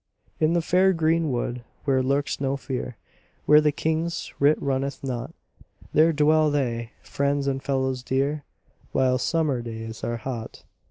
In the fair green wood where lurks no fear, Where the King's writ runneth not, There dwell they, friends and fellows dear, While summer days are hot.